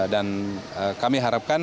dan kami harapkan